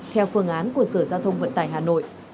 theo phương án của sở giao thông vận tải hà nội